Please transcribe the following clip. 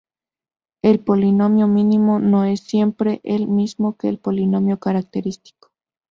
El polinomio mínimo no es siempre el mismo que el polinomio característico.